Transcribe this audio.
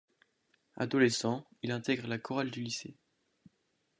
Adolescent, il intègre la chorale du lycée.